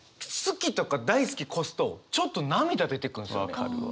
分かるわ。